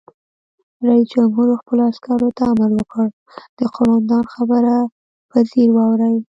رئیس جمهور خپلو عسکرو ته امر وکړ؛ د قومندان خبره په ځیر واورئ!